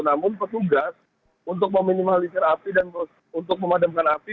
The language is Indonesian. namun petugas untuk meminimalisir api dan untuk memadamkan api